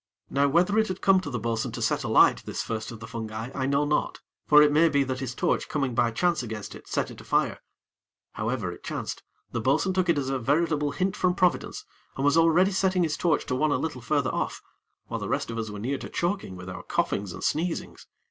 Now whether it had come to the bo'sun to set alight this first of the fungi, I know not; for it may be that his torch coming by chance against it, set it afire. However it chanced, the bo'sun took it as a veritable hint from Providence, and was already setting his torch to one a little further off, whilst the rest of us were near to choking with our coughings and sneezings.